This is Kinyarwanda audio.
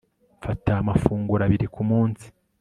Mfata amafunguro abiri ku munsi